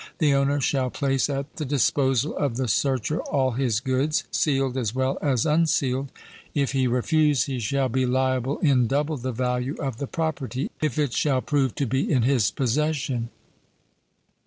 The owner shall place at the disposal of the searcher all his goods, sealed as well as unsealed; if he refuse, he shall be liable in double the value of the property, if it shall prove to be in his possession.